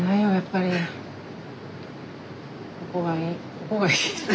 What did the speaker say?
ここがいいって。